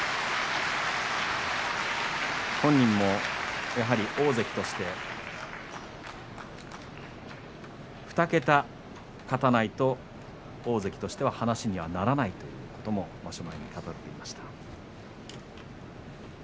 本人も、やはり大関として２桁勝たないと大関としては話にならないということも場所前に語っていました。